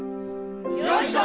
よいしょ！